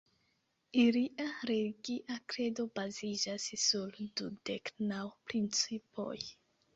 Ilia religia kredo baziĝas sur "dudek naŭ principoj".